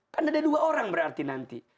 kan ada dua orang berarti nanti